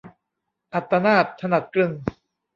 อัตตนาถ-ถนัดกลึง